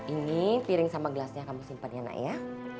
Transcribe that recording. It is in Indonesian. ini piring sama gelasnya kamu simpan ya nak ya